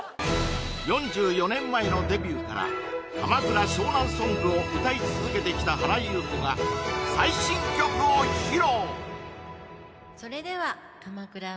４４年前のデビューから鎌倉・湘南ソングを歌い続けてきた原由子が最新曲を披露！